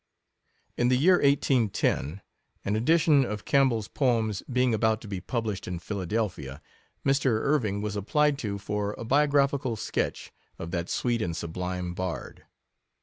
In the year 1810, an edition of Campbell's Poems being about to be published in Phila delphia, Mr. Irving was applied to for a bio graphical sketch of that sweet and sublime bard.